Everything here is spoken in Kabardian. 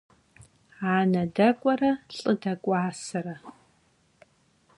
Ane dek'uere lh'ı dek'uasere.